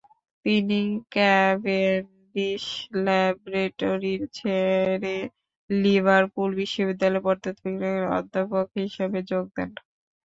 তিনি Cavendish laboratory ছেড়ে Liverpool বিশ্ববিদ্যালয়ের পদার্থবিজ্ঞানের অধ্যাপক হিসেবে যোগ দেন।